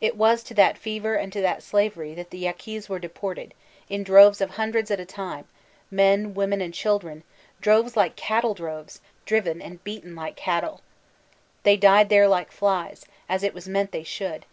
It was to that fever and that slavery that the Yaqub were deported, in droves of hundreds at a time, men, women and children— droves like cattle droves, driven and beaten like cattle. They died there, like flies, as it was meant they should.